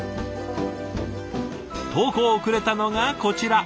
投稿をくれたのがこちら。